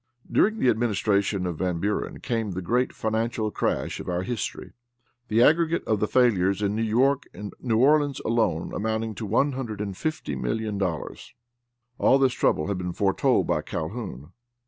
During the administration of Van Buren came the great financial crash of our history; the aggregate of the failures in New York and New Orleans alone amounting to $150,000,00. All this trouble had been foretold by Calhoun.